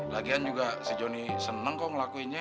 lagian juga si jonny seneng kok ngelakuinnya